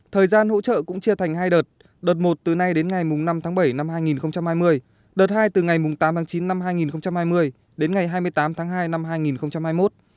thời gian hỗ trợ cũng chia thành hai đợt đợt một từ nay đến ngày năm tháng bảy năm hai nghìn hai mươi đợt hai từ ngày tám tháng chín năm hai nghìn hai mươi đến ngày hai mươi tám tháng hai năm hai nghìn hai mươi một